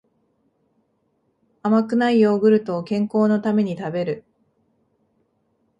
甘くないヨーグルトを健康のために食べる